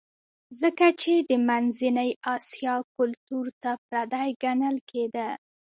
ځکه چې د منځنۍ اسیا کلتور ته پردی ګڼل کېده